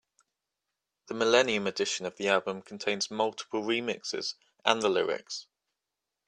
The millennium edition of the album contains multiple remixes and the lyrics.